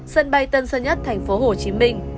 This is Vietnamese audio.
sân bay tân sơn nhất tp hcm